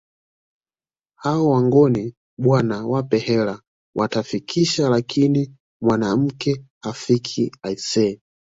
Hao Wangoni bwana wape hela watafikisha lakini mwanamke hafiki aisee